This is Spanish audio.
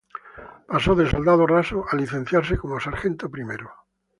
Pasó de soldado raso a licenciarse como sargento primero.